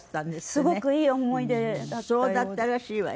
すごくいい思い出だったようで。